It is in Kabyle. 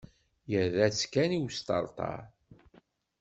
Irra-tt kan i wesṭerṭer.